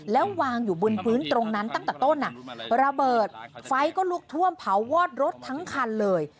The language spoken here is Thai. แล้ววางอยู่บนพื้นตรงนั้นตั้งแต่ต้นระเบิดไฟก็ลุกท่วมเผาวอดรถทั้งคันเลย